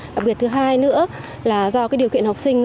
đặc biệt thứ hai nữa là do điều kiện học sinh